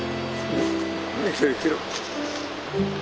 いけるいける。